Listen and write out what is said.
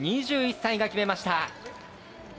２１歳が決めました！